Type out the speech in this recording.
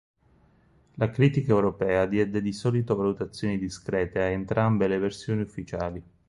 La critica europea diede di solito valutazioni discrete a entrambe le versioni ufficiali.